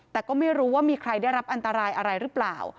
แต่ก็ไม่รู้ว่ามีใครได้รับอันตรายอะไรหรือเปล่า